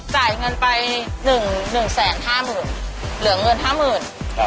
จ่ายเงินไปหนึ่งแสนห้าหมื่นเหลืองเงินห้าหมื่น